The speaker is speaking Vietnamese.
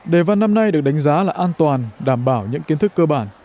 đề văn năm nay được đánh giá là an toàn đảm bảo những kiến thức cơ bản